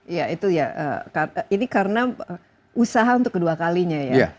iya itu ya ini karena usaha untuk kedua kalinya ya